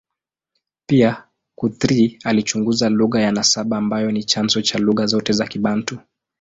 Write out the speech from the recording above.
Pia, Guthrie alichunguza lugha ya nasaba ambayo ni chanzo cha lugha zote za Kibantu.